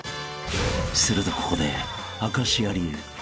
［するとここで明石家流